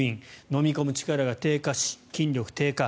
飲み込む力が低下し筋力低下。